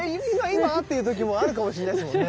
今？っていう時もあるかもしんないですもんね。